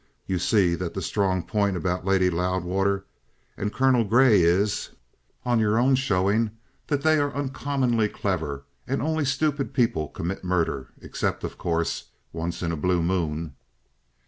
You see that the strong point about both Lady Loudwater and Colonel Grey is, on your own showing, that they are uncommonly clever; and only stupid people commit murder except, of course, once in a blue moon."